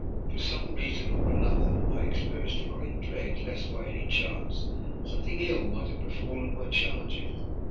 For some reason or another, I experienced a great dread lest by any chance something ill might have befallen my charges.